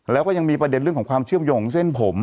แล้วก็ยังมีประเด็นเรื่องของความเชื่อมโยงเส้นผม